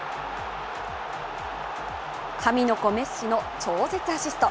神の子メッシの超絶アシスト。